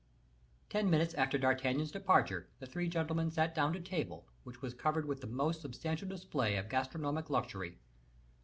Ten minutes after D'Artagnan's departure, the three gentlemen sat down to table, which was covered with the most substantial display of gastronomic luxury.